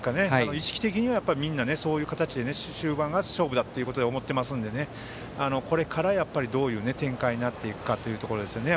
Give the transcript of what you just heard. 意識的にはみんなそういう形で終盤が勝負だと思っていますのでこれからどういう展開になっていくかというところですよね。